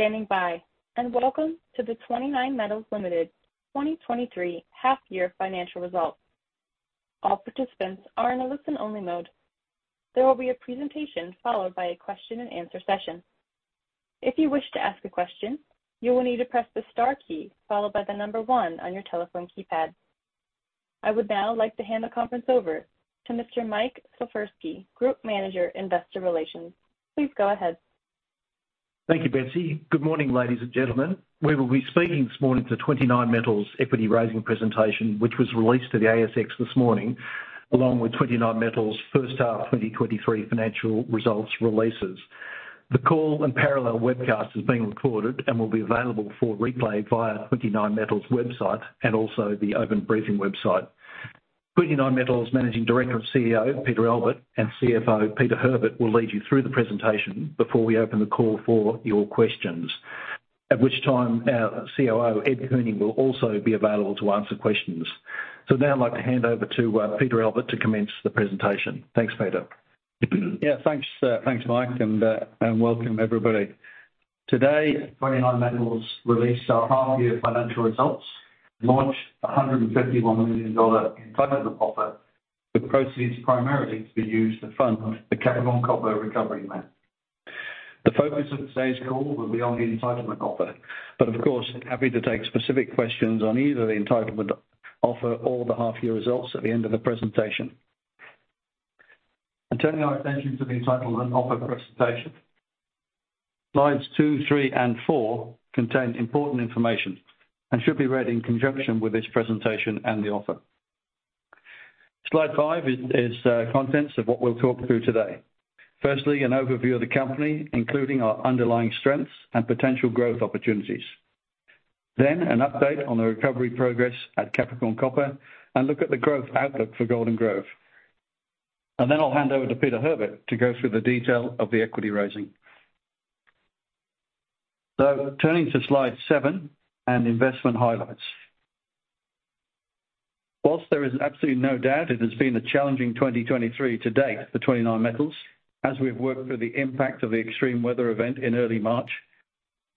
Thank you for standing by, and welcome to the 29Metals Limited 2023 half year financial results. All participants are in a listen-only mode. There will be a presentation, followed by a question-and-answer session. If you wish to ask a question, you will need to press the star key followed by the number one on your telephone keypad. I would now like to hand the conference over to Mr. Mike Slifirski, Group Manager, Investor Relations. Please go ahead. Thank you, Betsy. Good morning, ladies and gentlemen. We will be speaking this morning to 29Metals equity raising presentation, which was released to the ASX this morning, along with 29Metals' first half 2023 financial results releases. The call and parallel webcast is being recorded and will be available for replay via 29Metals' website and also the Open Briefing website. 29Metals Managing Director and CEO, Peter Albert, and CFO, Peter Herbert, will lead you through the presentation before we open the call for your questions, at which time our COO, Ed Cooney, will also be available to answer questions. So now I'd like to hand over to Peter Albert to commence the presentation. Thanks, Peter. Yeah, thanks, thanks, Mike, and, and welcome, everybody. Today, 29Metals released our half year financial results, launched a 151 million dollar Entitlement Offer, with proceeds primarily to be used to fund the Capricorn Copper Recovery plan. The focus of today's call will be on the Entitlement Offer, but of course, happy to take specific questions on either the Entitlement Offer or the half year results at the end of the presentation. And turning our attention to the Entitlement Offer presentation. Slides 2, Slides 3, and Slides 4 contain important information and should be read in conjunction with this presentation and the offer. Slide 5 is contents of what we'll talk through today. Firstly, an overview of the company, including our underlying strengths and potential growth opportunities. Then, an update on the recovery progress at Capricorn Copper, and look at the growth outlook for Golden Grove. And then I'll hand over to Peter Herbert to go through the detail of the equity raising. So turning to Slide 7 and investment highlights. While there is absolutely no doubt it has been a challenging 2023 to date for 29Metals, as we've worked through the impact of the extreme weather event in early March,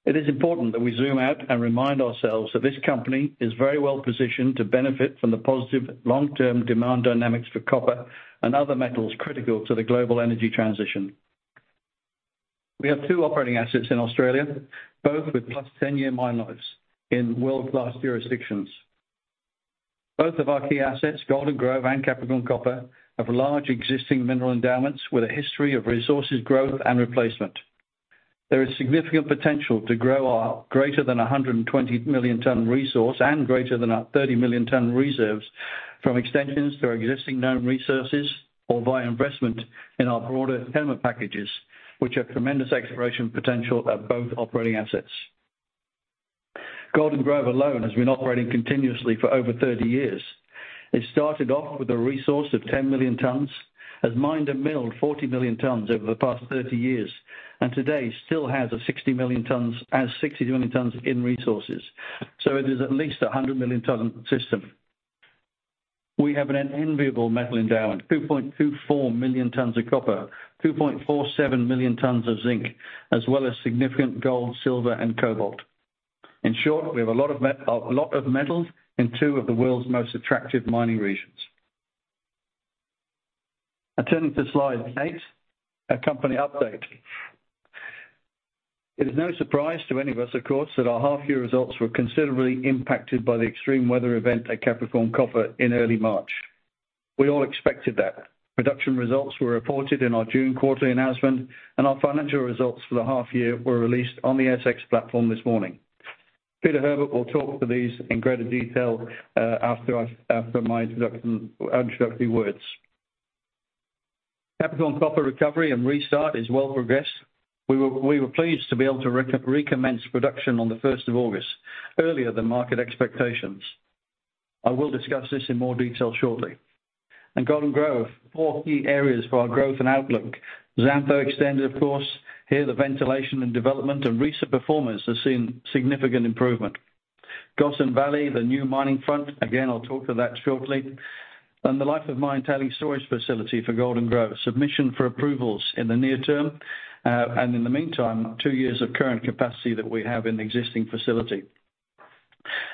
it is important that we zoom out and remind ourselves that this company is very well positioned to benefit from the positive long-term demand dynamics for copper and other metals critical to the global energy transition. We have two operating assets in Australia, both with +10-year mine lives in world-class jurisdictions. Both of our key assets, Golden Grove and Capricorn Copper, have large existing mineral endowments, with a history of resources, growth, and replacement. There is significant potential to grow our greater than 120 million ton resource and greater than our 30 million ton reserves from extensions to our existing known resources or via investment in our broader tenement packages, which have tremendous exploration potential at both operating assets. Golden Grove alone has been operating continuously for over 30 years. It started off with a resource of 10 million tons, has mined and milled 40 million tons over the past 30 years, and today still has a 60 million tons-as 60 million tons in resources. So it is at least a 100 million ton system. We have an enviable metal endowment, 2.24 million tons of copper, 2.47 million tons of zinc, as well as significant gold, silver, and cobalt. In short, we have a lot of metals in two of the world's most attractive mining regions. Turning to slide eight, a company update. It is no surprise to any of us, of course, that our half year results were considerably impacted by the extreme weather event at Capricorn Copper in early March. We all expected that. Production results were reported in our June quarterly announcement, and our financial results for the half year were released on the ASX platform this morning. Peter Herbert will talk to these in greater detail after my introductory words. Capricorn Copper recovery and restart is well progressed. We were pleased to be able to recommence production on the first of August, earlier than market expectations. I will discuss this in more detail shortly. Golden Grove, four key areas for our growth and outlook. Xantho Extended, of course, here, the ventilation and development and recent performance has seen significant improvement. Gossan Valley, the new mining front, again, I'll talk to that shortly. And the life of mine tailings storage facility for Golden Grove, submission for approvals in the near term, and in the meantime, two years of current capacity that we have in the existing facility.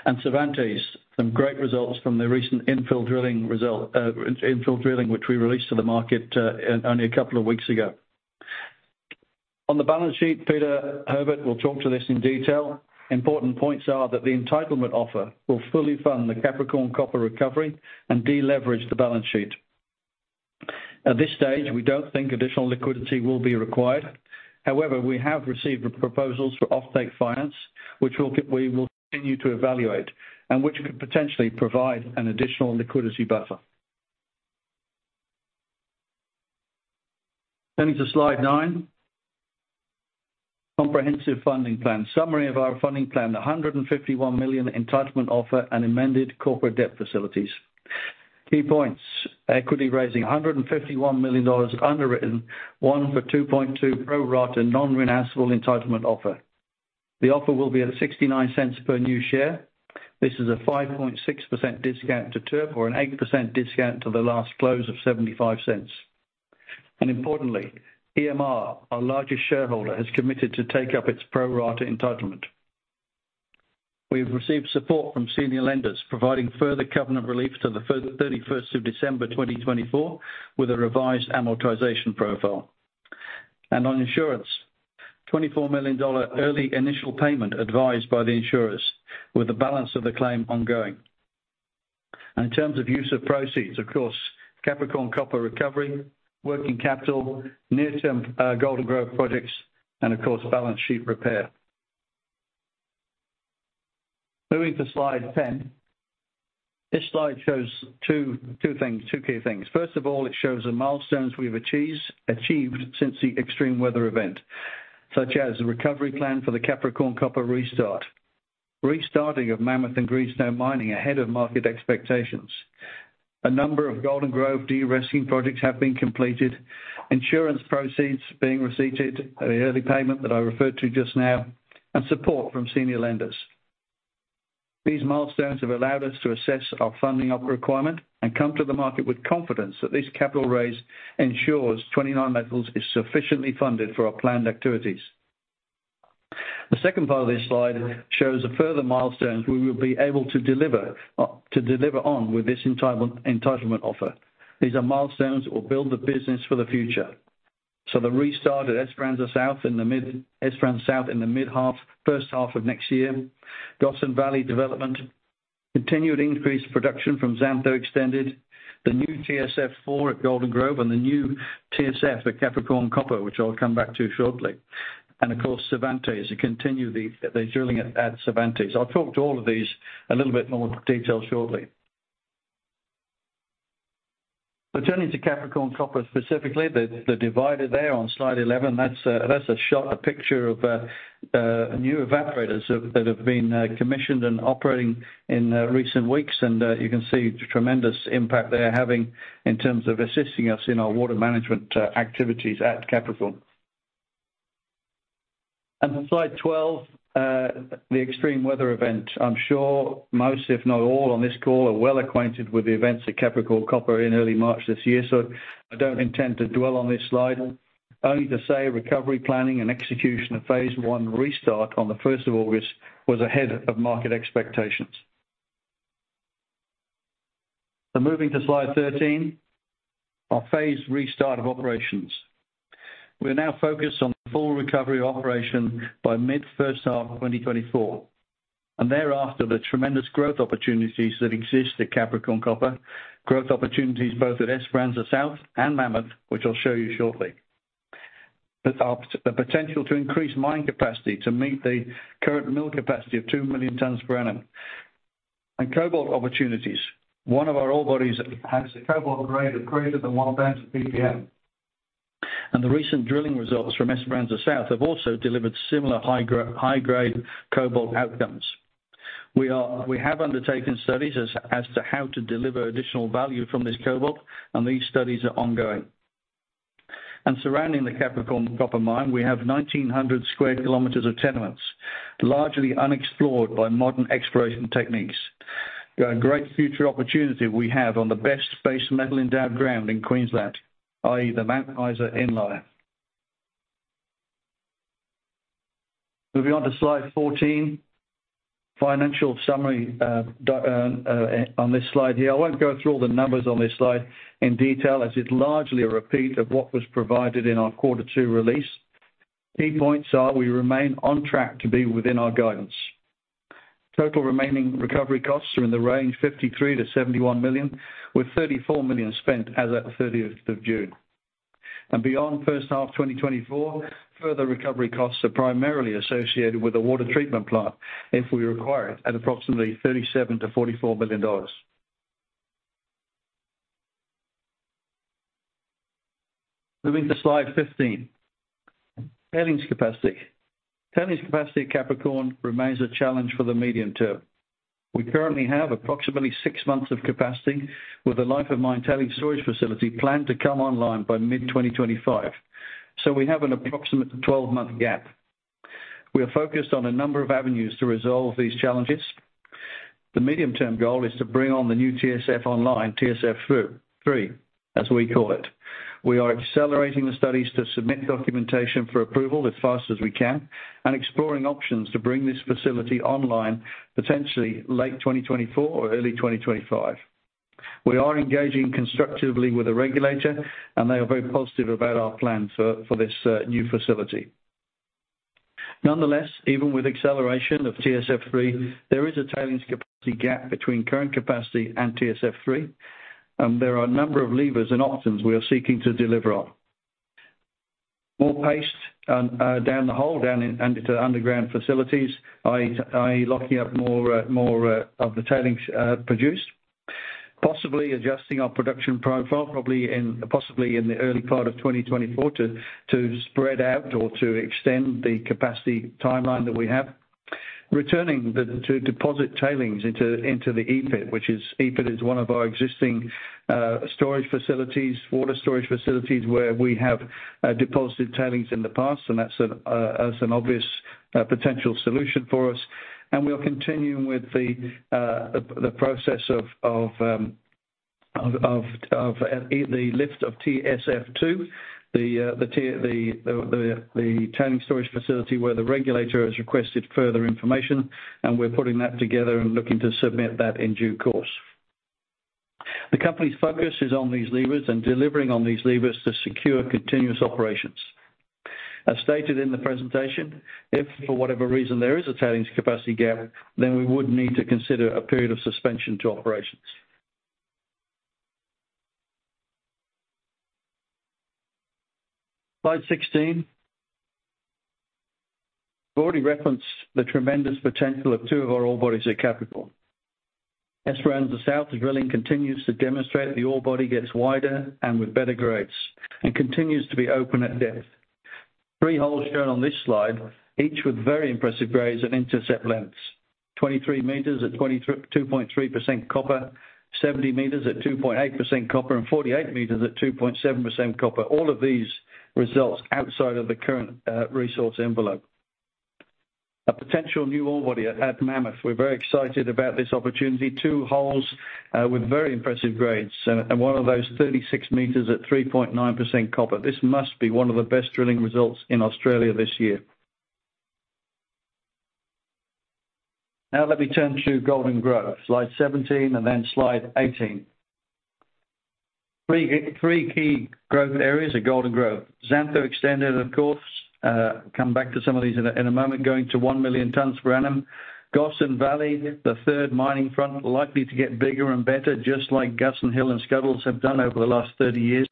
And Cervantes, some great results from the recent infill drilling result, infill drilling, which we released to the market only a couple of weeks ago. On the balance sheet, Peter Herbert will talk to this in detail. Important points are that the Entitlement Offer will fully fund the Capricorn Copper recovery and de-leverage the balance sheet. At this stage, we don't think additional liquidity will be required. However, we have received proposals for offtake finance, which we will continue to evaluate and which could potentially provide an additional liquidity buffer. Turning to slide 9, comprehensive funding plan. Summary of our funding plan, 151 million Entitlement Offer and amended corporate debt facilities. Key points, equity raising 151 million dollars of underwritten, one for 2.2 pro rata non-renounceable Entitlement Offer. The offer will be at 0.69 per new share. This is a 5.6% discount to TERP or an 8% discount to the last close of 0.75.... And importantly, EMR, our largest shareholder, has committed to take up its pro rata entitlement. We've received support from senior lenders, providing further covenant relief to the 1st-31st of December, 2024, with a revised amortization profile. And on insurance, 24 million dollar early initial payment advised by the insurers, with the balance of the claim ongoing. And in terms of use of proceeds, of course, Capricorn Copper recovery, working capital, near-term Golden Grove projects, and of course, balance sheet repair. Moving to Slide 10. This slide shows two key things. First of all, it shows the milestones we've achieved since the extreme weather event, such as the recovery plan for the Capricorn Copper restart. Restarting of Mammoth and Greenstone mining ahead of market expectations. A number of Golden Grove de-risking projects have been completed, insurance proceeds being receipted, the early payment that I referred to just now, and support from senior lenders. These milestones have allowed us to assess our funding requirement and come to the market with confidence that this capital raise ensures 29Metals is sufficiently funded for our planned activities. The second part of this slide shows the further milestones we will be able to deliver to deliver on with this Entitlement Offer. These are milestones that will build the business for the future. So the restart at Esperanza South in the mid-Esperanza South in the mid-half, first half of next year, Gossan Valley development, continued increased production from Xantho Extended, the new TSF 4 at Golden Grove and the new TSF at Capricorn Copper, which I'll come back to shortly. And of course, Cervantes, to continue the drilling at Cervantes. I'll talk to all of these a little bit more in detail shortly. Turning to Capricorn Copper, specifically, the divider there on Slide 11, that's a shot, a picture of new evaporators that have been commissioned and operating in recent weeks, and you can see the tremendous impact they are having in terms of assisting us in our water management activities at Capricorn. On Slide 12, the extreme weather event. I'm sure most, if not all, on this call are well acquainted with the events at Capricorn Copper in early March this year, so I don't intend to dwell on this slide. Only to say recovery planning and execution of phase one restart on the first of August was ahead of market expectations. Moving to Slide 13, our phased restart of operations. We are now focused on full recovery operation by mid-first half of 2024, and thereafter, the tremendous growth opportunities that exist at Capricorn Copper, growth opportunities both at Esperanza South and Mammoth, which I'll show you shortly. But, the potential to increase mining capacity to meet the current mill capacity of 2 million tons per annum. And cobalt opportunities. One of our ore bodies has a cobalt grade of greater than 1,000 ppm. And the recent drilling results from Esperanza South have also delivered similar high-grade cobalt outcomes. We have undertaken studies as to how to deliver additional value from this cobalt, and these studies are ongoing. And surrounding the Capricorn Copper Mine, we have 1,900 square kilometers of tenements, largely unexplored by modern exploration techniques. A great future opportunity we have on the best base metal-endowed ground in Queensland, i.e., the Mount Isa Inlier. Moving on to Slide 14, financial summary, on this slide here. I won't go through all the numbers on this slide in detail, as it's largely a repeat of what was provided in our Quarter Two release. Key points are we remain on track to be within our guidance. Total remaining recovery costs are in the range 53 million-71 million, with 34 million spent as at the 30th of June. And beyond first half 2024, further recovery costs are primarily associated with the water treatment plant, if we require it, at approximately 37-44 million dollars. Moving to Slide 15. Tailings capacity. Tailings capacity at Capricorn remains a challenge for the medium term. We currently have approximately six months of capacity, with a life of mine tailings storage facility planned to come online by mid-2025. We have an approximate 12 month gap. We are focused on a number of avenues to resolve these challenges. The medium-term goal is to bring on the new TSF online, TSF 3, as we call it. We are accelerating the studies to submit documentation for approval as fast as we can and exploring options to bring this facility online, potentially late 2024 or early 2025. We are engaging constructively with the regulator, and they are very positive about our plan for this new facility. Nonetheless, even with acceleration of TSF 3, there is a tailings capacity gap between current capacity and TSF 3, and there are a number of levers and options we are seeking to deliver on. More paste down the hole, down into underground facilities, i.e., locking up more of the tailings produced. Possibly adjusting our production profile, probably in the early part of 2024, to spread out or to extend the capacity timeline that we have. Returning to deposit tailings into the E-pit, which is one of our existing storage facilities, water storage facilities, where we have deposited tailings in the past, and that's an obvious potential solution for us, and we are continuing with the process of the lift of TSF 2, the tailings storage facility, where the regulator has requested further information, and we're putting that together and looking to submit that in due course. The company's focus is on these levers and delivering on these levers to secure continuous operations. As stated in the presentation, if for whatever reason there is a tailings capacity gap, then we would need to consider a period of suspension to operations. Slide 16. We've already referenced the tremendous potential of two of our ore bodies at Capricorn. Esperanza South, as drilling continues to demonstrate, the ore body gets wider and with better grades, and continues to be open at depth. Three holes shown on this slide, each with very impressive grades and intercept lengths. 23 meters at 2.3% copper, 70 meters at 2.8% copper, and 48 meters at 2.7% copper. All of these results outside of the current resource envelope. A potential new ore body at Mammoth. We're very excited about this opportunity. Two holes with very impressive grades, and one of those 36 meters at 3.9% copper. This must be one of the best drilling results in Australia this year. Now let me turn to Golden Grove, Slide 17 and then Slide 18. Three key growth areas at Golden Grove. Xantho Extended, of course, come back to some of these in a, in a moment, going to 1 million tonnes per annum. Gossan Valley, the third mining front, likely to get bigger and better, just like Gossan Hill and Scuddles have done over the last 30 years.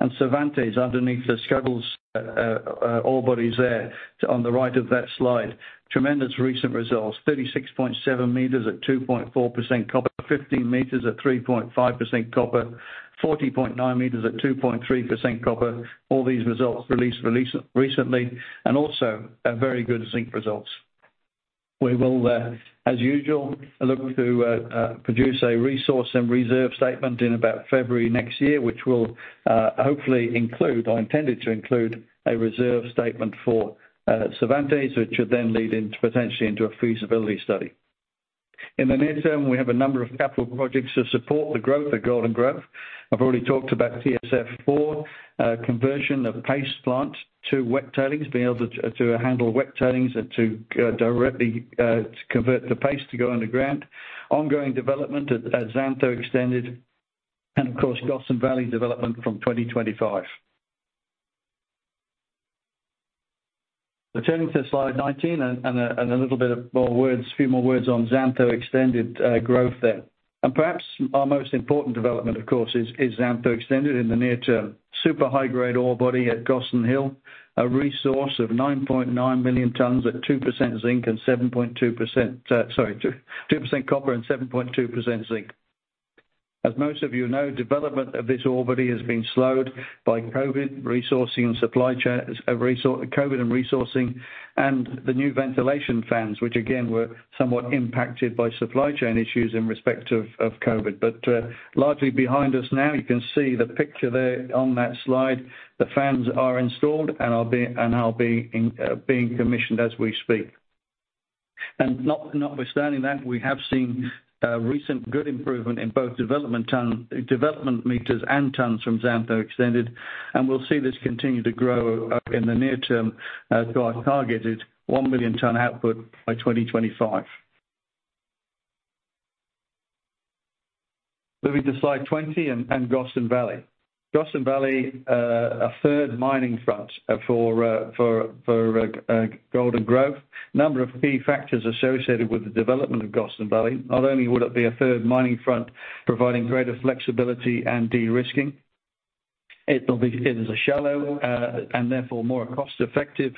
And Cervantes, underneath the Scuddles ore bodies there, on the right of that slide. Tremendous recent results, 36.7 meters at 2.4% copper, 15 meters at 3.5% copper, 40.9 meters at 2.3% copper. All these results released recently, and also very good zinc results. We will, as usual, look to produce a resource and reserve statement in about February next year, which will hopefully include or intended to include a reserve statement for Cervantes, which should then lead into, potentially into a feasibility study. In the near term, we have a number of capital projects to support the growth of Golden Grove. I've already talked about TSF 4, conversion of the paste plant to wet tailings, being able to handle wet tailings and to directly convert the paste to go underground. Ongoing development at Xantho Extended, and of course, Gossan Valley development from 2025. So turning to Slide 19 and a few more words on Xantho Extended growth there. And perhaps our most important development, of course, is Xantho Extended in the near term. Super high-grade ore body at Gossan Hill, a resource of 9.9 million tonnes at 2% zinc and 7.2%... Sorry, 2% copper and 7.2% zinc. As most of you know, development of this ore body has been slowed by COVID, resourcing, supply chain... COVID and resourcing, and the new ventilation fans, which again, were somewhat impacted by supply chain issues in respect of COVID. But largely behind us now, you can see the picture there on that slide. The fans are installed and are being commissioned as we speak. Notwithstanding that, we have seen recent good improvement in both development tonne, development meters and tonnes from Xantho Extended, and we'll see this continue to grow in the near term to our targeted 1 million tonne output by 2025. Moving to Slide 20 and Gossan Valley. Gossan Valley, a third mining front for Golden Grove. Number of key factors associated with the development of Gossan Valley. Not only will it be a third mining front, providing greater flexibility and de-risking, it is a shallow and therefore more cost-effective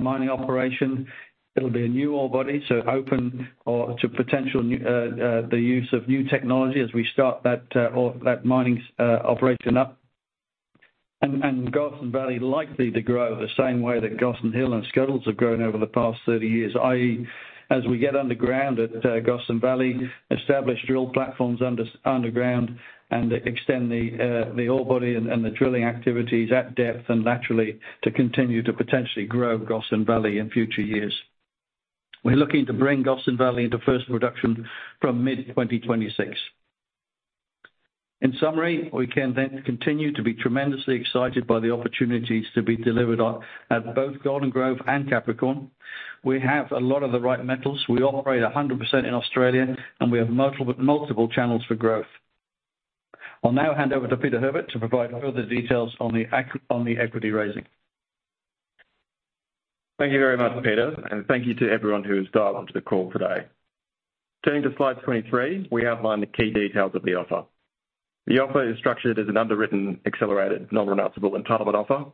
mining operation. It'll be a new ore body, so open, or to potential, the use of new technology as we start that, or that mining operation up. And Gossan Valley likely to grow the same way that Gossan Hill and Scuddles have grown over the past 30 years, i.e., as we get underground at Gossan Valley, establish drill platforms underground, and extend the ore body and the drilling activities at depth and laterally to continue to potentially grow Gossan Valley in future years. We're looking to bring Gossan Valley into first production from mid-2026. In summary, we can then continue to be tremendously excited by the opportunities to be delivered on at both Golden Grove and Capricorn. We have a lot of the right metals, we operate 100% in Australia, and we have multiple, multiple channels for growth. I'll now hand over to Peter Herbert to provide further details on the equity raising. Thank you very much, Peter, and thank you to everyone who's dialed onto the call today. Turning to Slide 23, we outline the key details of the offer. The offer is structured as an underwritten, accelerated, non-renounceable Entitlement Offer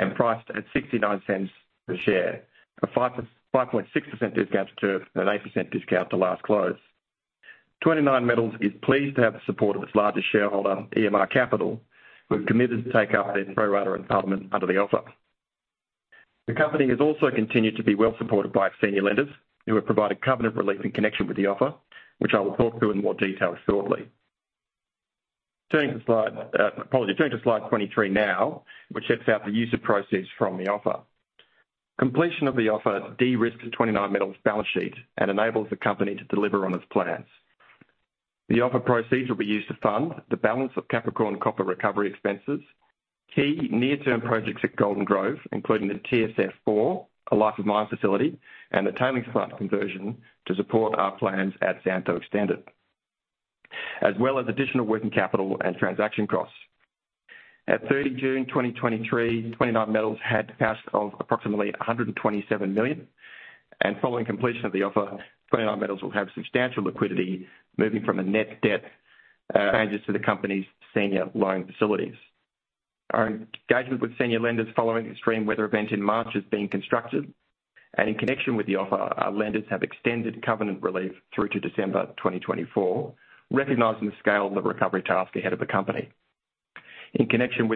and priced at 0.69 per share. A 5%-5.6% discount to TERP and an 8% discount to last close. 29Metals is pleased to have the support of its largest shareholder, EMR Capital, who have committed to take up their pro rata entitlement under the offer. The company has also continued to be well supported by its senior lenders, who have provided covenant relief in connection with the offer, which I will talk to in more detail shortly. Turning to slide, apology. Turning to Slide 23 now, which sets out the use of proceeds from the offer. Completion of the offer de-risks the 29Metals balance sheet and enables the company to deliver on its plans. The offer proceeds will be used to fund the balance of Capricorn Copper recovery expenses, key near-term projects at Golden Grove, including the TSF 4, a life of mine facility, and the Tailings Plant conversion to support our plans at Xantho Extended, as well as additional working capital and transaction costs. At 30 June 2023, 29Metals had cash of approximately 127 million, and following completion of the offer, 29Metals will have substantial liquidity, moving from a net debt to the company's senior loan facilities. Our engagement with senior lenders following extreme weather event in March is being constructed, and in connection with the offer, our lenders have extended covenant relief through to December 2024, recognizing the scale of the recovery task ahead of the company. In addition,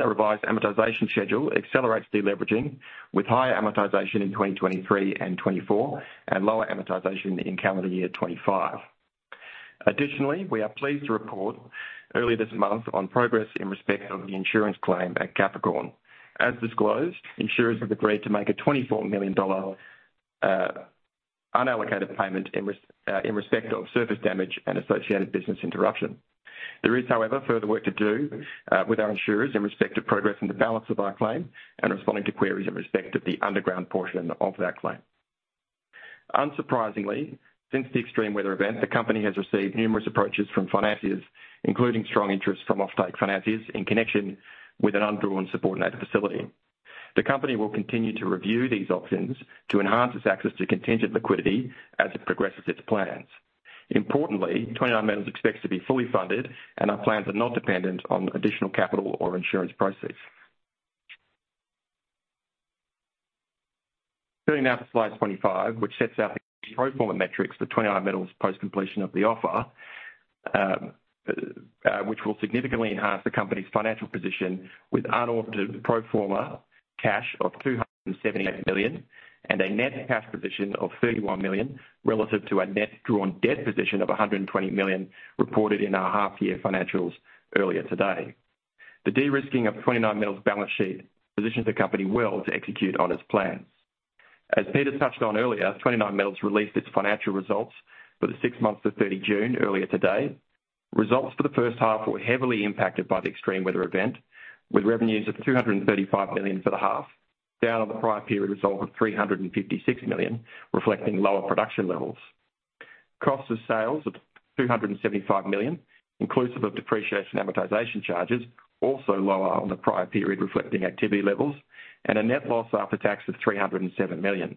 a revised amortization schedule accelerates de-leveraging with higher amortization in 2023 and 24 and lower amortization in calendar year 25. Additionally, we are pleased to report earlier this month on progress in respect of the insurance claim at Capricorn. As disclosed, insurers have agreed to make a 24 million dollar unallocated payment in respect of surface damage and associated business interruption. There is, however, further work to do with our insurers in respect to progress in the balance of our claim and responding to queries in respect of the underground portion of that claim. Unsurprisingly, since the extreme weather event, the company has received numerous approaches from financiers, including strong interest from offtake financiers in connection with an undrawn subordinate facility. The company will continue to review these options to enhance its access to contingent liquidity as it progresses its plans. Importantly, 29Metals expects to be fully funded, and our plans are not dependent on additional capital or insurance proceeds. Turning now to Slide 25, which sets out the pro forma metrics for 29Metals post completion of the offer, which will significantly enhance the company's financial position with unaudited pro forma cash of 278 million, and a net cash position of 31 million, relative to a net drawn debt position of 120 million reported in our half year financials earlier today. The de-risking of 29Metals' balance sheet positions the company well to execute on its plans. As Peter touched on earlier, 29Metals released its financial results for the six months to 30 June, earlier today. Results for the first half were heavily impacted by the extreme weather event, with revenues of 235 million for the half, down on the prior period result of 356 million, reflecting lower production levels. Cost of sales of 275 million, inclusive of depreciation amortization charges, also lower on the prior period, reflecting activity levels, and a net loss after tax of 307 million.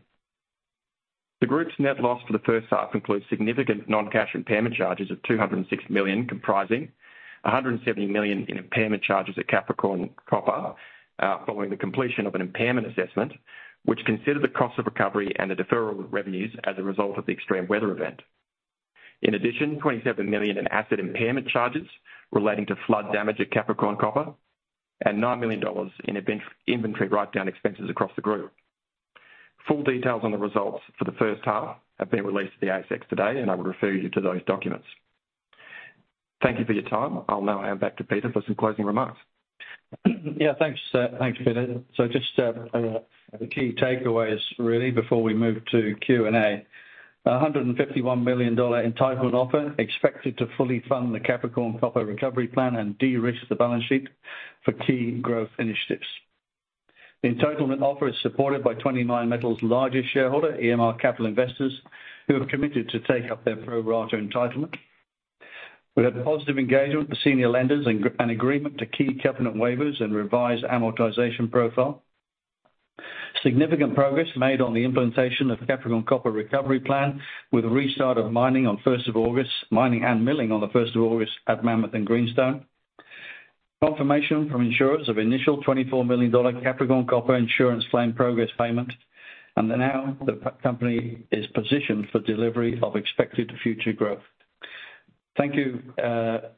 The group's net loss for the first half includes significant non-cash impairment charges of 206 million, comprising 170 million in impairment charges at Capricorn Copper, following the completion of an impairment assessment, which considered the cost of recovery and the deferral of revenues as a result of the extreme weather event. In addition, 27 million in asset impairment charges relating to flood damage at Capricorn Copper, and 9 million dollars in inventory write-down expenses across the group. Full details on the results for the first half have been released to the ASX today, and I would refer you to those documents. Thank you for your time. I'll now hand back to Peter for some closing remarks. Yeah, thanks. Thanks, Peter. So just the key takeaways, really, before we move to Q&A. 151 million dollar Entitlement Offer, expected to fully fund the Capricorn Copper recovery plan and de-risk the balance sheet for key growth initiatives. The Entitlement Offer is supported by 29Metals' largest shareholder, EMR Capital Investors, who have committed to take up their pro rata entitlement. We had positive engagement with senior lenders and agreement to key covenant waivers and revised amortization profile. Significant progress made on the implementation of Capricorn Copper recovery plan, with a restart of mining on first of August, mining and milling on the first of August at Mammoth and Greenstone. Confirmation from insurers of initial 24 million dollar Capricorn Copper insurance claim progress payment, and now the company is positioned for delivery of expected future growth. Thank you,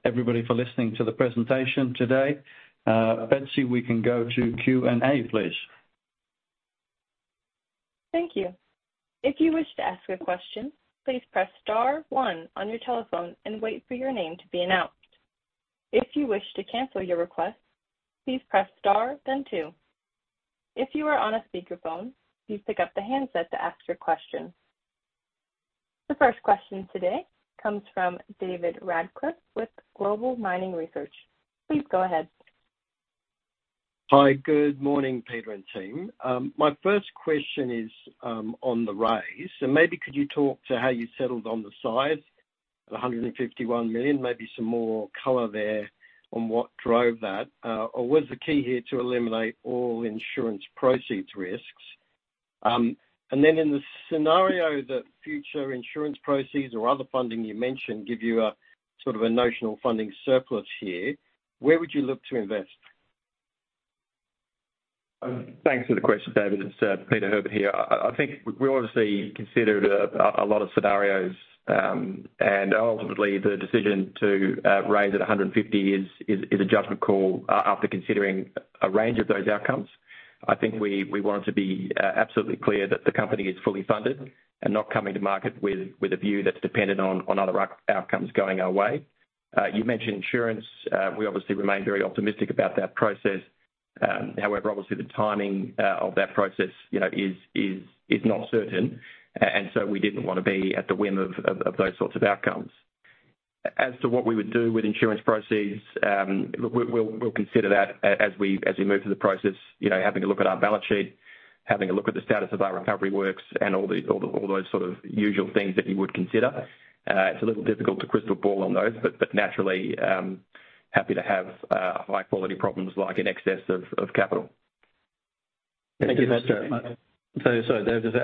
everybody, for listening to the presentation today. Let's see, we can go to Q&A, please. Thank you. If you wish to ask a question, please press star one on your telephone and wait for your name to be announced. If you wish to cancel your request, please press star, then two. If you are on a speakerphone, please pick up the handset to ask your question. The first question today comes from David Radclyffe with Global Mining Research. Please go ahead. Hi, good morning, Peter and team. My first question is on the raise, so maybe could you talk to how you settled on the size of 151 million? Maybe some more color there on what drove that, or was the key here to eliminate all insurance proceeds risks? And then in the scenario that future insurance proceeds or other funding you mentioned, give you a, sort of a notional funding surplus here, where would you look to invest? Thanks for the question, David. It's Peter Herbert here. I think we obviously considered a lot of scenarios, and ultimately, the decision to raise it 150 is a judgment call after considering a range of those outcomes. I think we want it to be absolutely clear that the company is fully funded and not coming to market with a view that's dependent on other outcomes going our way. You mentioned insurance. We obviously remain very optimistic about that process. However, obviously the timing of that process, you know, is not certain. And so we didn't want to be at the whim of those sorts of outcomes. As to what we would do with insurance proceeds, we'll consider that as we move through the process. You know, having a look at our balance sheet, having a look at the status of our recovery works and all those sort of usual things that you would consider. It's a little difficult to crystal ball on those, but naturally happy to have high-quality problems like in excess of capital. Thank you, Peter. So, sorry, David,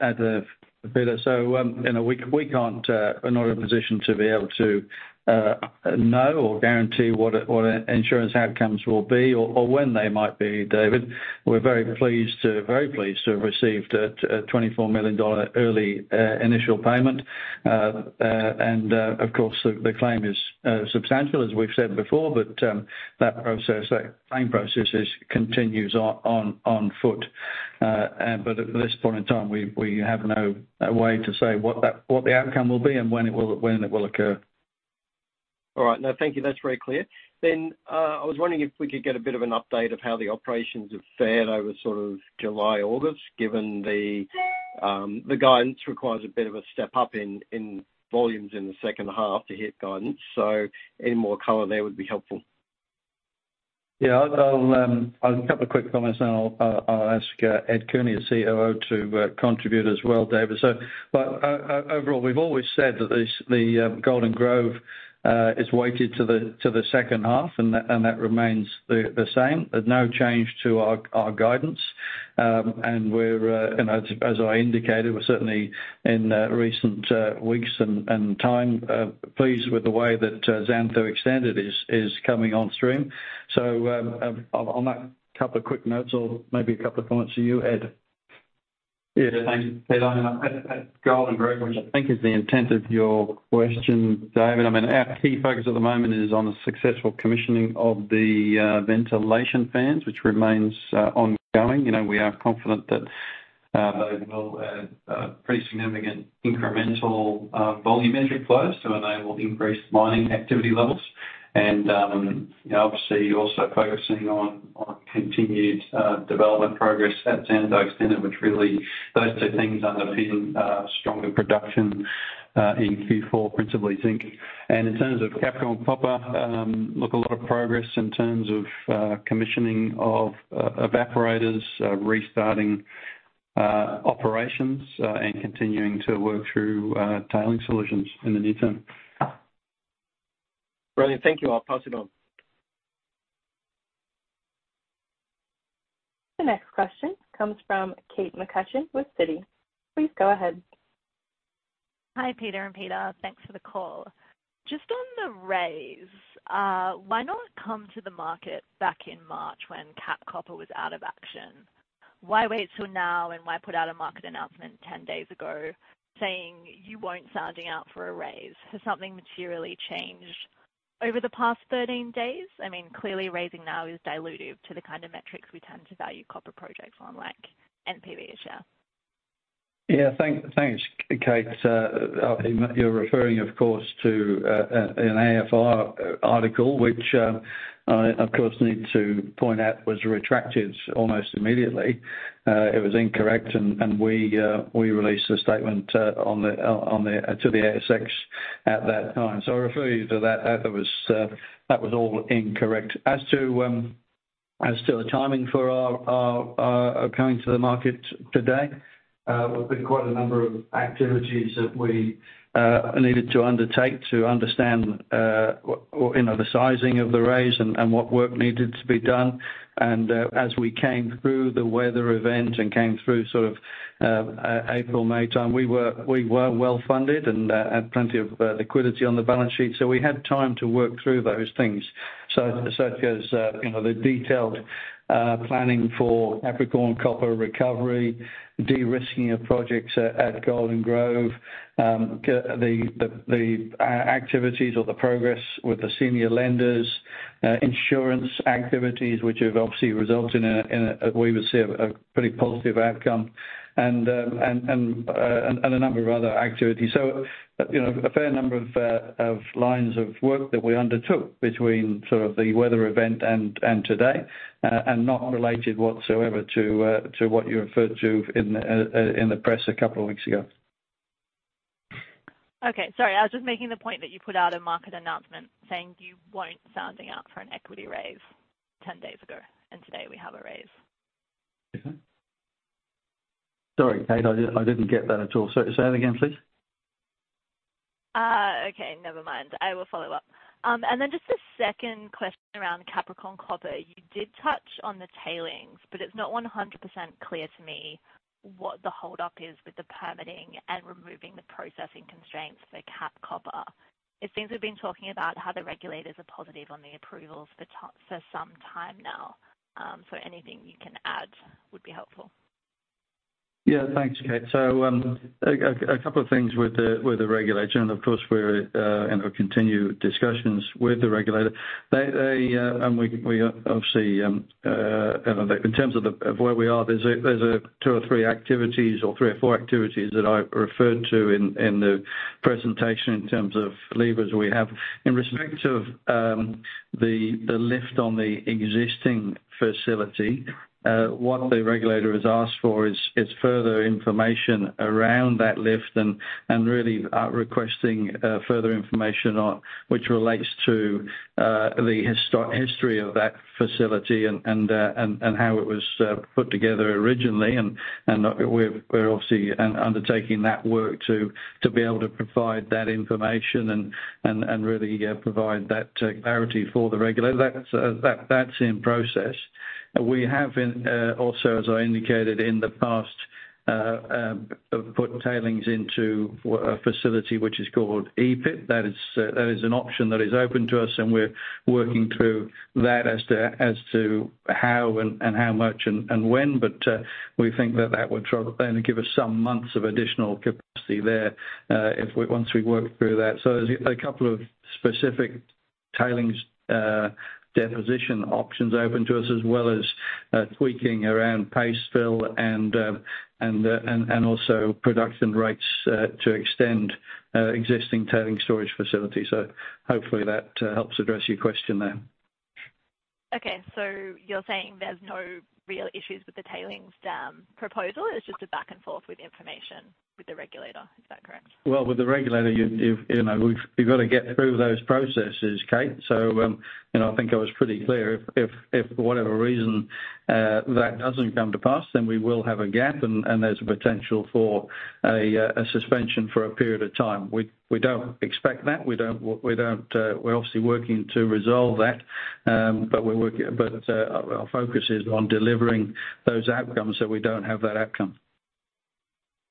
and Peter. So, you know, we are not in a position to be able to know or guarantee what insurance outcomes will be or when they might be, David. We're very pleased to have received a 24 million dollar early initial payment. And, of course, the claim is substantial, as we've said before. But, that claim process continues on foot. But at this point in time, we have no way to say what the outcome will be and when it will occur. All right. No, thank you. That's very clear. Then, I was wondering if we could get a bit of an update of how the operations have fared over sort of July, August, given the guidance requires a bit of a step up in volumes in the second half to hit guidance. So any more color there would be helpful. Yeah, I'll a couple of quick comments, and I'll ask Ed Cooney, our COO, to contribute as well, David. So, but overall, we've always said that this, the Golden Grove is weighted to the second half, and that remains the same. There's no change to our guidance. And we're, and as I indicated, we're certainly in recent weeks and time pleased with the way that Xantho Extended is coming on stream. So, on that couple of quick notes or maybe a couple of comments to you, Ed. Yeah, thanks, Ed. At Golden Grove, which I think is the intent of your question, David, I mean, our key focus at the moment is on the successful commissioning of the ventilation fans, which remains ongoing. You know, we are confident that they will pretty significant incremental volume entry flows to enable increased mining activity levels. And obviously, also focusing on continued development progress at Xantho Extended, which really those two things underpin stronger production in Q4, principally, zinc. And in terms of Capricorn Copper, look, a lot of progress in terms of commissioning of evaporators, restarting operations, and continuing to work through tailings solutions in the near term. Brilliant. Thank you. I'll pass it on. The next question comes from Kate McCutcheon with Citi. Please go ahead. Hi, Peter and Peter. Thanks for the call. Just on the raise, why not come to the market back in March when Cap Copper was out of action? Why wait till now, and why put out a market announcement 10 days ago saying you weren't sounding out for a raise? Has something materially changed over the past 13 days? I mean, clearly raising now is dilutive to the kind of metrics we tend to value copper projects on, like NPV per share. Yeah, thanks, Kate. You're referring, of course, to an AFR article, which, of course, we need to point out was retracted almost immediately. It was incorrect, and we released a statement to the ASX at that time. So I refer you to that. That was all incorrect. As to the timing for our coming to the market today, there's been quite a number of activities that we needed to undertake to understand, you know, the sizing of the raise and what work needed to be done. As we came through the weather event and came through sort of April, May time, we were well funded and had plenty of liquidity on the balance sheet, so we had time to work through those things. Such as, you know, the detailed planning for Capricorn Copper recovery, de-risking of projects at Golden Grove, the activities or the progress with the senior lenders, insurance activities, which have obviously resulted in a, we would say, a pretty positive outcome, and a number of other activities. So, you know, a fair number of lines of work that we undertook between sort of the weather event and today, and not related whatsoever to what you referred to in the press a couple of weeks ago. Okay, sorry. I was just making the point that you put out a market announcement saying you weren't sounding out for an equity raise 10 days ago, and today we have a raise. Sorry, Kate, I did- I didn't get that at all. Say that again, please. Okay, never mind. I will follow up. And then just a second question around Capricorn Copper. You did touch on the tailings, but it's not 100% clear to me what the hold-up is with the permitting and removing the processing constraints for Cap Copper. It seems we've been talking about how the regulators are positive on the approvals for some time now. So anything you can add would be helpful. ... Yeah, thanks, Kate. So, a couple of things with the regulator, and of course, we're and will continue discussions with the regulator. They and we obviously in terms of where we are, there's two or three activities or three or four activities that I referred to in the presentation in terms of levers we have. In respect to the lift on the existing facility, what the regulator has asked for is further information around that lift and really requesting further information on which relates to the history of that facility and how it was put together originally. We're obviously undertaking that work to be able to provide that information and really, yeah, provide that clarity for the regulator. That's in process. We have been also, as I indicated in the past, put tailings into a facility which is called E-pit. That is an option that is open to us, and we're working through that as to how and how much and when. But we think that that would probably only give us some months of additional capacity there, if we once we work through that. So there's a couple of specific tailings deposition options open to us, as well as tweaking around paste fill and also production rates to extend existing tailings storage facilities. Hopefully that helps address your question then. Okay, so you're saying there's no real issues with the tailings dam proposal? It's just a back and forth with information with the regulator. Is that correct? Well, with the regulator, you know, you've got to get through those processes, Kate. So, you know, I think I was pretty clear. If for whatever reason that doesn't come to pass, then we will have a gap and there's a potential for a suspension for a period of time. We don't expect that. We don't... we're obviously working to resolve that. But our focus is on delivering those outcomes, so we don't have that outcome.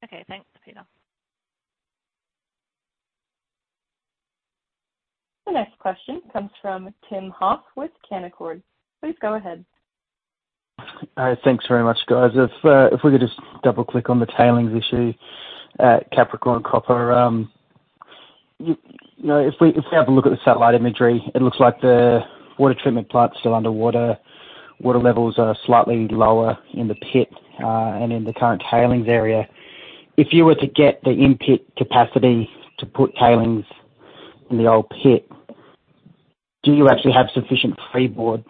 Okay. Thanks, Peter. The next question comes from Tim Huff with Canaccord. Please go ahead. Thanks very much, guys. If, if we could just double-click on the tailings issue at Capricorn Copper. You know, if we, if we have a look at the satellite imagery, it looks like the water treatment plant is still underwater. Water levels are slightly lower in the pit, and in the current tailings area. If you were to get the in-pit capacity to put tailings in the old pit, do you actually have sufficient freeboard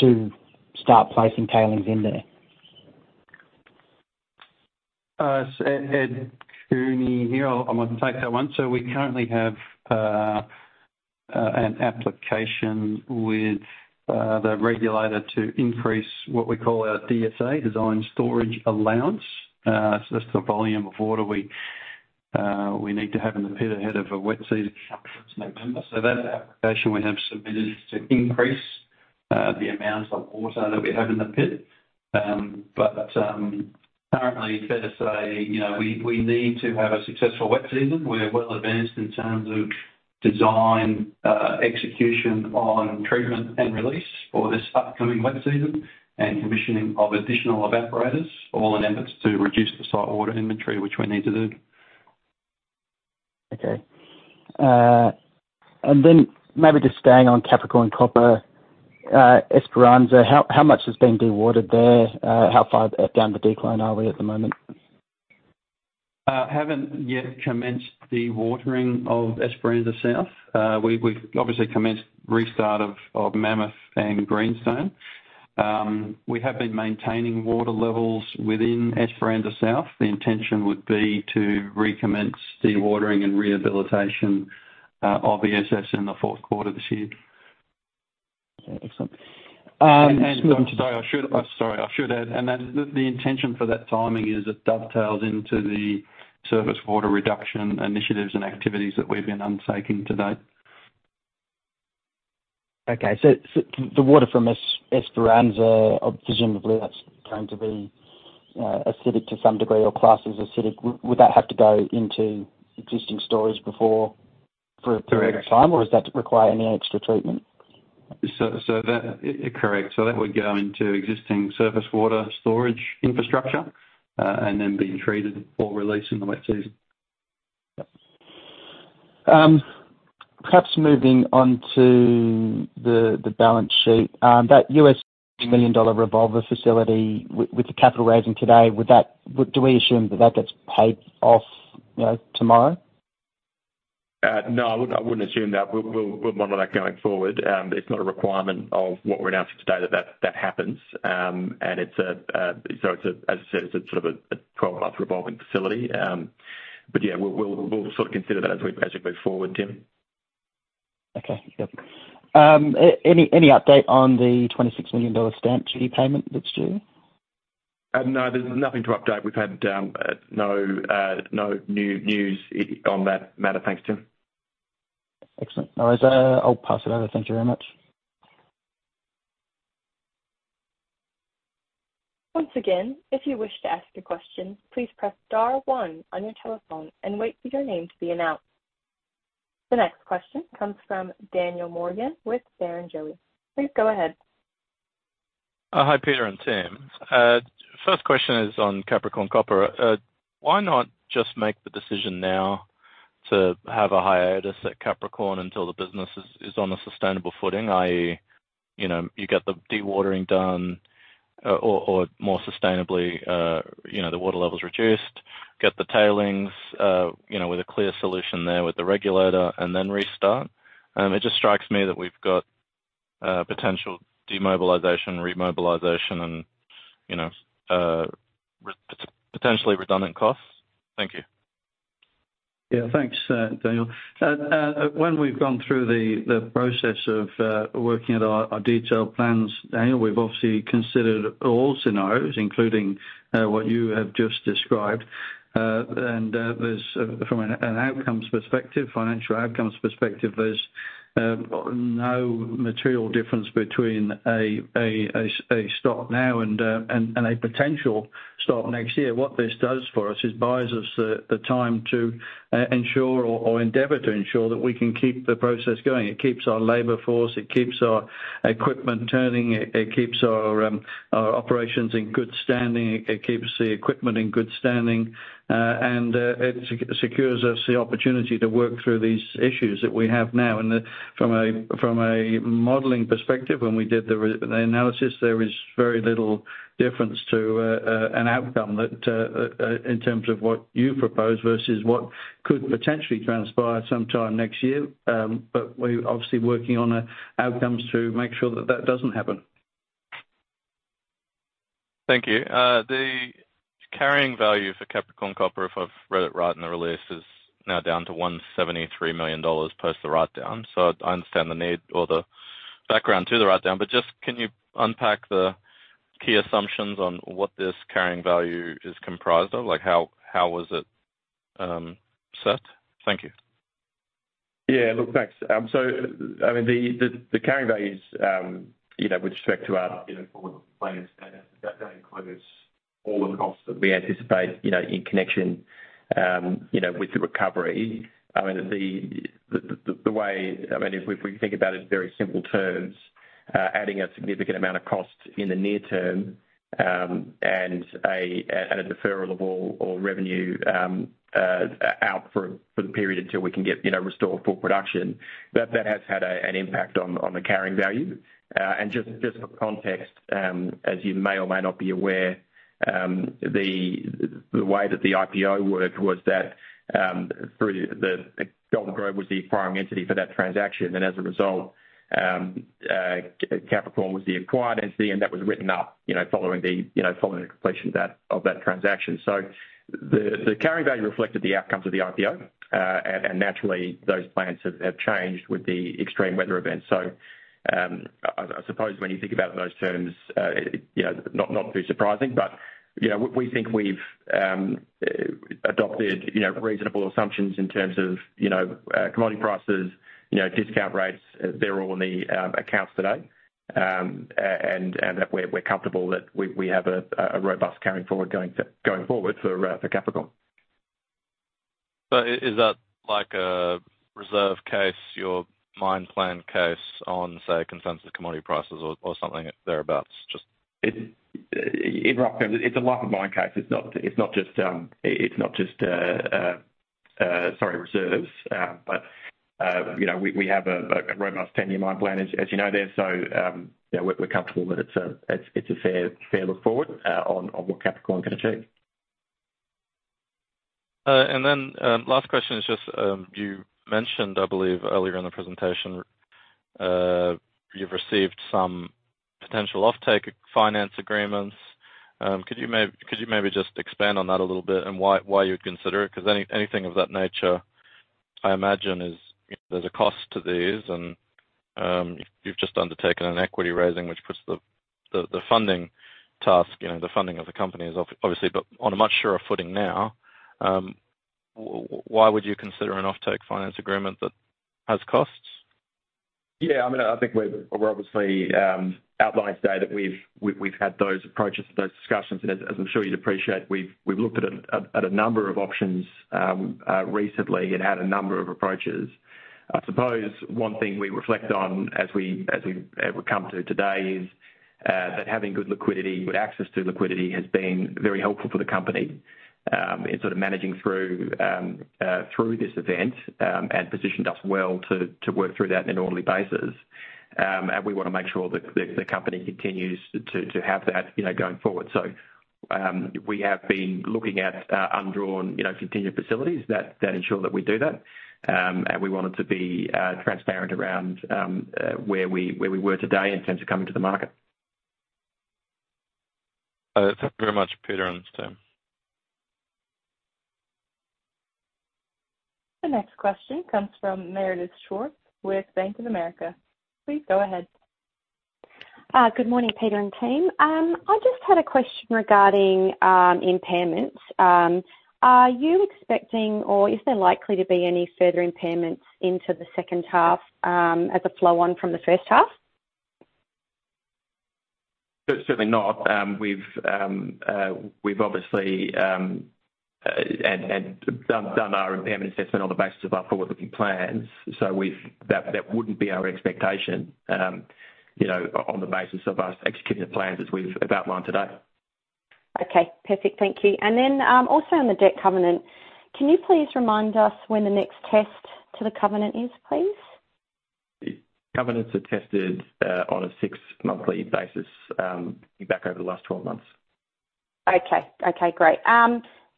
to start placing tailings in there? So Ed Cooney here. I'm gonna take that one. So we currently have an application with the regulator to increase what we call our DSA, Design Storage Allowance. So that's the volume of water we need to have in the pit ahead of a wet season coming November. So that application we have submitted is to increase the amount of water that we have in the pit. But currently, fair to say, you know, we need to have a successful wet season. We're well advanced in terms of design, execution on treatment and release for this upcoming wet season, and commissioning of additional evaporators, all in efforts to reduce the site water inventory, which we need to do. Okay. And then maybe just staying on Capricorn Copper, Esperanza, how much has been dewatered there? How far down the decline are we at the moment? Haven't yet commenced the watering of Esperanza South. We've obviously commenced restart of Mammoth and Greenstone. We have been maintaining water levels within Esperanza South. The intention would be to recommence dewatering and rehabilitation of ESS in the fourth quarter this year. Okay, excellent. Sorry, I should add, and then the intention for that timing is it dovetails into the service water reduction initiatives and activities that we've been undertaking to date. Okay, so the water from Esperanza, obviously, that's going to be acidic to some degree or classed as acidic. Would that have to go into existing storage before for a period of time- Correct. or does that require any extra treatment? So that... Correct. So that would go into existing surface water storage infrastructure, and then being treated for release in the wet season. Perhaps moving on to the balance sheet. That $1 million revolver facility with the capital raising today, do we assume that that gets paid off, you know, tomorrow? No, I wouldn't assume that. We'll monitor that going forward. It's not a requirement of what we're announcing today that that happens. And it's a, so it's a, as I said, it's sort of a 12-month revolving facility. But yeah, we'll sort of consider that as we move forward, Tim. Okay, yep. Any update on the 26 million dollar stamp duty payment that's due? No, there's nothing to update. We've had no new news on that matter. Thanks, Tim. Excellent. All right, I'll pass it over. Thank you very much. Once again, if you wish to ask a question, please press star one on your telephone and wait for your name to be announced.... The next question comes from Daniel Morgan with Barrenjoey. Please go ahead. Hi, Peter and Tim. First question is on Capricorn Copper. Why not just make the decision now to have a hiatus at Capricorn until the business is on a sustainable footing? I, you know, you get the dewatering done, or more sustainably, you know, the water levels reduced, get the tailings, you know, with a clear solution there with the regulator and then restart. It just strikes me that we've got potential demobilization, remobilization, and, you know, potentially redundant costs. Thank you. Yeah, thanks, Daniel. When we've gone through the process of working at our detailed plans, Daniel, we've obviously considered all scenarios, including what you have just described. And, from an outcomes perspective, financial outcomes perspective, there's no material difference between a stop now and a potential stop next year. What this does for us is buys us the time to ensure or endeavor to ensure that we can keep the process going. It keeps our labor force, it keeps our equipment turning, it keeps our operations in good standing, it keeps the equipment in good standing, and it secures us the opportunity to work through these issues that we have now. From a modeling perspective, when we did the analysis, there is very little difference to an outcome that, in terms of what you propose versus what could potentially transpire sometime next year. But we're obviously working on outcomes to make sure that that doesn't happen. Thank you. The carrying value for Capricorn Copper, if I've read it right in the release, is now down to 173 million dollars post the write-down. So I understand the need or the background to the write-down, but just can you unpack the key assumptions on what this carrying value is comprised of? Like, how, how was it set? Thank you. Yeah, look, thanks. So, I mean, the carrying values, you know, with respect to our, you know, forward plans, that includes all the costs that we anticipate, you know, in connection, you know, with the recovery. I mean, the way, I mean, if we think about it in very simple terms, adding a significant amount of cost in the near term, and a deferral of all or revenue, out for the period until we can get, you know, restore full production, that has had an impact on the carrying value. And just for context, as you may or may not be aware, the way that the IPO worked was that, through the Golden Grove was the acquiring entity for that transaction. As a result, Capricorn was the acquired entity, and that was written up, you know, following the, you know, following the completion of that, of that transaction. So the carrying value reflected the outcomes of the IPO. And naturally, those plans have changed with the extreme weather events. So, I suppose when you think about it in those terms, you know, not too surprising, but, you know, we think we've adopted, you know, reasonable assumptions in terms of, you know, commodity prices, you know, discount rates. They're all in the accounts today. And that we're comfortable that we have a robust carrying forward going forward for Capricorn. So is that like a reserve case, your mine plan case on, say, consensus commodity prices or, or something thereabout? Just- In rough terms, it's a life of mine case. It's not just reserves. But you know, we have a robust 10 year mine plan, as you know, there. So, you know, we're comfortable that it's a fair look forward on what Capricorn can achieve. And then, last question is just, you mentioned, I believe, earlier in the presentation, you've received some potential offtake finance agreements. Could you maybe just expand on that a little bit and why, why you'd consider it? 'Cause anything of that nature, I imagine, there's a cost to these, and, you've just undertaken an equity raising, which puts the funding task, you know, the funding of the company is obviously, but on a much surer footing now. Why would you consider an offtake finance agreement that has costs? Yeah, I mean, I think we're obviously outlined today that we've had those approaches to those discussions. And as I'm sure you'd appreciate, we've looked at a number of options recently and had a number of approaches. I suppose one thing we reflect on as we come to today is that having good liquidity, good access to liquidity has been very helpful for the company in sort of managing through this event and positioned us well to work through that in an orderly basis. And we want to make sure that the company continues to have that, you know, going forward. So, we have been looking at undrawn, you know, continued facilities that ensure that we do that. And we wanted to be transparent around where we were today in terms of coming to the market. Thank you very much, Peter and Team. The next question comes from Meredith Schwarz with Bank of America. Please go ahead. Good morning, Peter and team. I just had a question regarding impairments. Are you expecting, or is there likely to be any further impairments into the second half, as a flow on from the first half? Certainly not. We've obviously done our impairment assessment on the basis of our forward-looking plans. So that wouldn't be our expectation, you know, on the basis of us executing the plans as we've outlined today. Okay, perfect. Thank you. And then, also on the debt covenant, can you please remind us when the next test to the covenant is, please? Covenants are tested on a six monthly basis back over the last 12 months. Okay. Okay, great.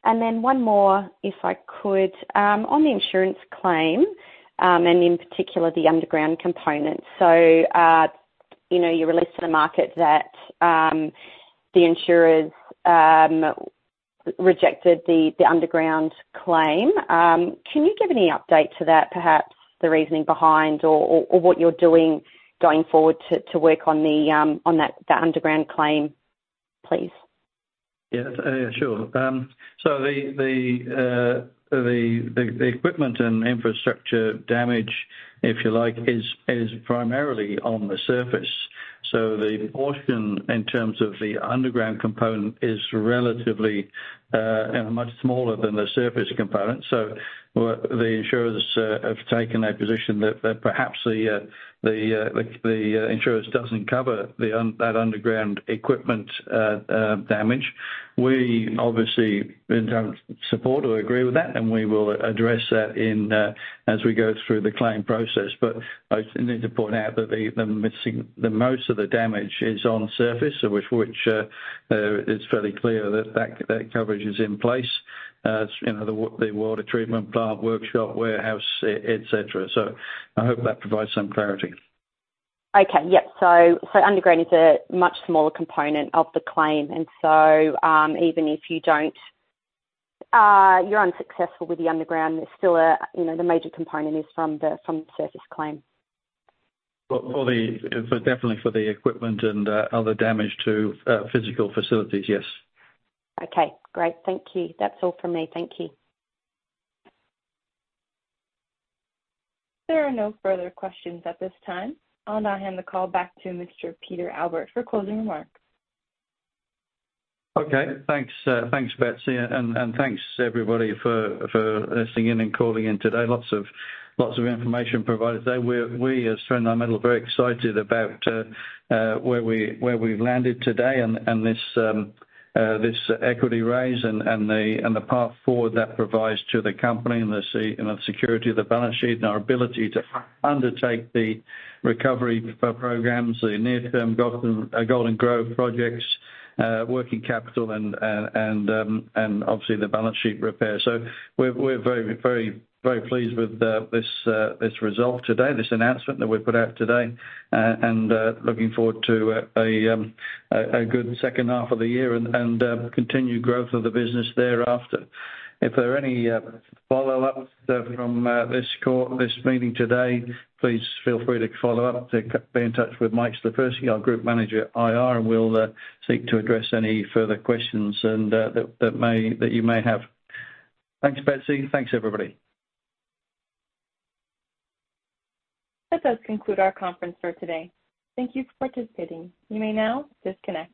And then one more, if I could. On the insurance claim, and in particular, the underground component. So, you know, you released to the market that, the insurers rejected the underground claim. Can you give any update to that, perhaps the reasoning behind or what you're doing going forward to work on the on that underground claim, please? Yeah, sure. So the equipment and infrastructure damage, if you like, is primarily on the surface. So the portion in terms of the underground component is relatively much smaller than the surface component. So the insurers have taken a position that perhaps the insurance doesn't cover that underground equipment damage. We obviously don't support or agree with that, and we will address that as we go through the claim process. But I need to point out that the most of the damage is on surface, so which is fairly clear that coverage is in place. You know, the water treatment plant, workshop, warehouse, et cetera. So I hope that provides some clarity. Okay. Yep. So underground is a much smaller component of the claim, and so, even if you don't, you're unsuccessful with the underground, there's still a, you know, the major component is from the surface claim. Well, for definitely the equipment and other damage to physical facilities, yes. Okay, great. Thank you. That's all for me. Thank you. There are no further questions at this time. I'll now hand the call back to Mr. Peter Albert for closing remarks. Okay, thanks, thanks, Betsy, and, and thanks, everybody, for, for listening in and calling in today. Lots of, lots of information provided today. We're, we as 29Metals are very excited about, where we, where we've landed today and, and this, this equity raise and, and the, and the path forward that provides to the company and the security of the balance sheet and our ability to undertake the recovery, programs, the near-term Golden Grove projects, working capital and, and, and, and obviously, the balance sheet repair. So we're, we're very, very, very pleased with, this, this result today, this announcement that we've put out today, and, looking forward to, a, a, a good second half of the year and, and, continued growth of the business thereafter. If there are any follow-ups from this call, this meeting today, please feel free to follow up, to be in touch with Mike Slifirski, our Group Manager, IR, and we'll seek to address any further questions that you may have. Thanks, Betsy. Thanks, everybody. That does conclude our conference for today. Thank you for participating. You may now disconnect.